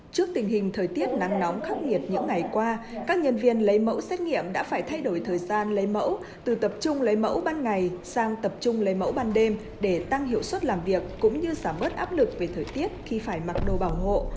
trước tình hình thời tiết nắng nóng khắc nghiệt những ngày qua các nhân viên lấy mẫu xét nghiệm đã phải thay đổi thời gian lấy mẫu từ tập trung lấy mẫu ban ngày sang tập trung lấy mẫu ban đêm để tăng hiệu suất làm việc cũng như giảm bớt áp lực về thời tiết khi phải mặc đồ bảo hộ